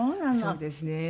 そうですね。